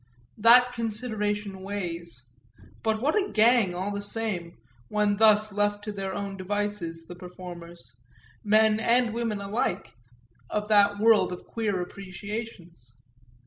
That consideration weighs; but what a "gang," all the same, when thus left to their own devices, the performers, men and women alike, of that world of queer appreciations!